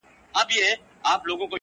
چي په لاسونو كي رڼا وړي څوك,